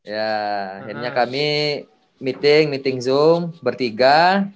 ya akhirnya kami meeting meeting zoom bertiga